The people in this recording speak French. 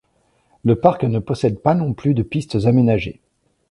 Le parc ne possède pas non plus de pistes aménagées.